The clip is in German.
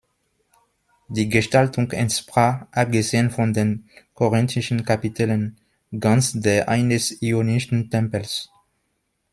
Die Gestaltung entsprach, abgesehen von den korinthischen Kapitellen, ganz der eines ionischen Tempels.